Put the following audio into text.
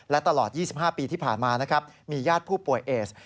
และตลอด๒๕ปีที่ผ่านมามีญาติผู้ป่วยเอสส์